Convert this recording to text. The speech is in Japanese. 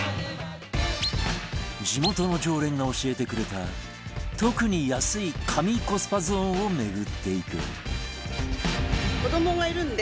地元の常連が教えてくれた特に安い神コスパゾーンを巡っていく